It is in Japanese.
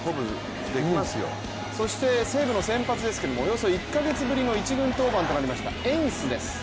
そして西武先発なんですけれども１か月ぶりの登板となりました、エンスです。